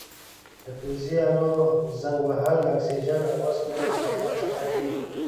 د فلزي الو زنګ وهل د اکسیجن او اوسپنې له تعامل څخه دی.